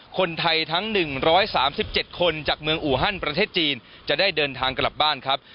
คนไทยทั้ง๑๓๗คนจากเมืองอูฮันประเทศจีนจะได้เดินทางกลับบ้านครับ